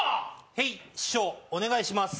へい、師匠、お願いします。